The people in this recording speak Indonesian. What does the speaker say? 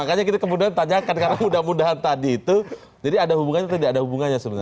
makanya kita kemudian tanyakan karena mudah mudahan tadi itu jadi ada hubungannya atau tidak ada hubungannya sebenarnya